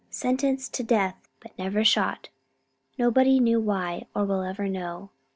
"Sentenced to death! but never shot! Nobody knew why, or ever will know.